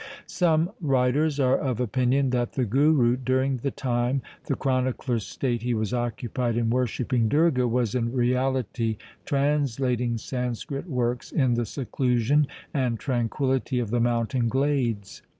Some writers are of opinion that the Guru, during the time the chroniclers state he was occupied in wor shipping Durga, was in reality translating Sanskrit works in the seclusion and tranquillity of the moun tain glades.